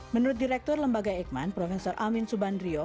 menurut direktur lembaga eijkman prof amin subandrio